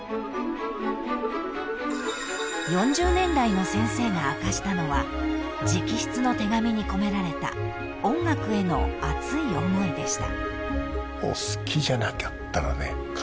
［４０年来の先生が明かしたのは直筆の手紙に込められた音楽への熱い思いでした］